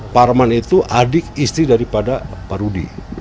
parman itu adik istri daripada pak rudi